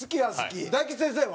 大吉先生は？